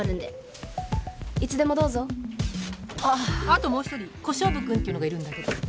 あともう１人小勝負君っていうのがいるんだけど。